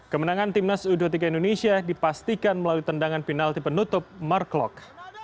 kemenangan timnas u dua puluh tiga indonesia dipastikan melalui tendangan penalti penutup mark klok